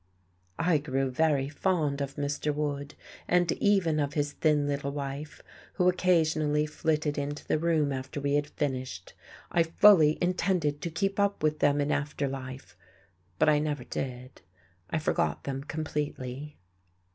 I grew very fond of Mr. Wood, and even of his thin little wife, who occasionally flitted into the room after we had finished. I fully intended to keep up with them in after life, but I never did. I forgot them completely....